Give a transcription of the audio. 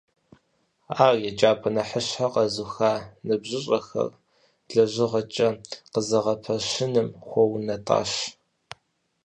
Ар еджапӀэ нэхъыщхьэр къэзуха ныбжьыщӀэхэр лэжьыгъэкӀэ къызэгъэпэщыным хуэунэтӀащ.